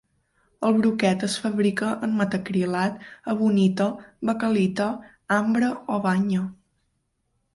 El broquet es fabrica en metacrilat, ebonita, baquelita, ambre o banya.